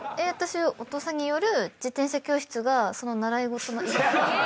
お父さんによる自転車教室がその習い事の。